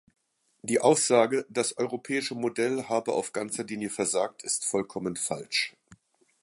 Die Aussage, das europäische Modell habe auf ganzer Linie versagt, ist vollkommen falsch.